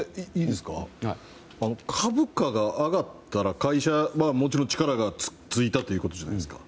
株価が上がったら会社は、もちろん力がついたということじゃないですか。